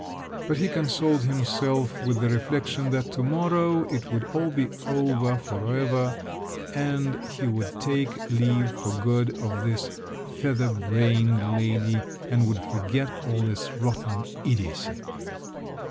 But he consoled himself with the reflection that to morrow it would all be over for ever, and he would take leave for good of this feather brained lady, and would forget all this rotten idiocy!